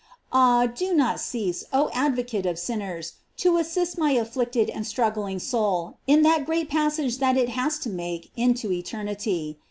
Ah, do not cease, oh advo cate of sinn. rs, to assist my afflicted and strug gling soul in that great passage that it has to make into eternity.